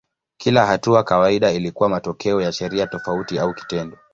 Kila hatua kawaida ilikuwa matokeo ya sheria tofauti au kitendo.